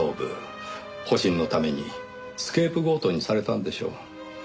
保身のためにスケープゴートにされたんでしょう。